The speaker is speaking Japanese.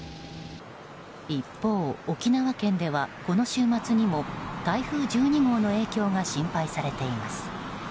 一方、沖縄県ではこの週末にも台風１２号の影響が心配されています。